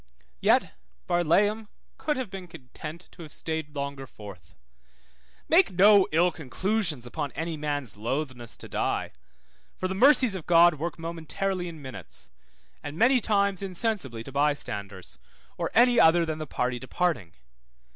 Yet Barlaam could have been content to have stayed longer forth. Make no ill conclusions upon any man's lothness to die, for the mercies of God work momentarily in minutes, and many times insensibly to bystanders, or any other than the party departing.